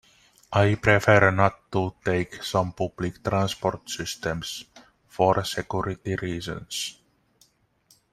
I prefer not to take some public transport systems for security reasons.